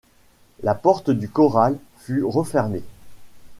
La porte du corral fut refermée